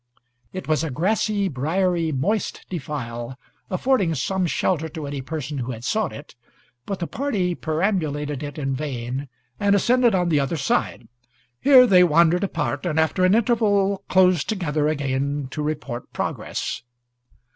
It was a grassy, briery, moist channel, affording some shelter to any person who had sought it; but the party perambulated it in vain, and ascended on the other side. Here they wandered apart, and after an interval closed together again to report progress.